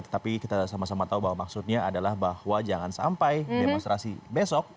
tetapi kita sama sama tahu bahwa maksudnya adalah bahwa jangan sampai demonstrasi besok